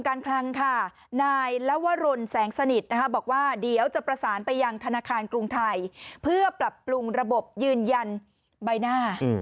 เราก็พยายามที่จะไปตามให้ว่า